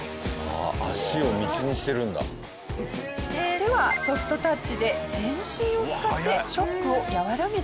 手はソフトタッチで全身を使ってショックを和らげています。